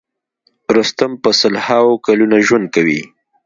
رستم په سل هاوو کلونه ژوند کوي.